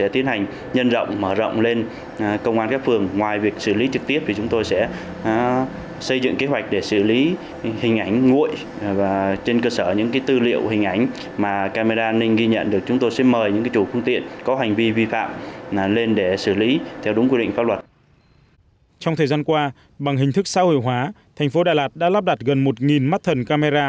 trong thời gian qua bằng hình thức xã hội hóa thành phố đà lạt đã lắp đặt gần một mắt thần camera